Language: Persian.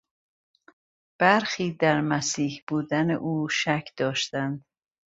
برخی در مسیح بودن او شک داشتند.